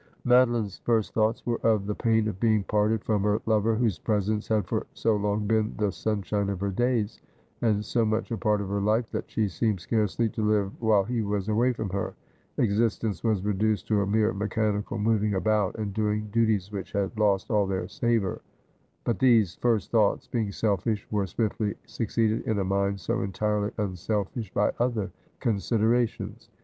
Madoline's first thoughts were of the pain of being parted from her lover, whose presence had for so long been the sun shine of her days, and so much a part of her life, that she seemed scarcely to live while he was away from her. Existence was reduced to a mere mechanical moving about, and doing duties which had lost all their savour. But these first thoughts, being selfish, were swiftly succeeded in a mind so entirely un selfish by other considerations.